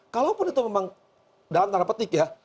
kalaupun itu memang dalam tanda petik ya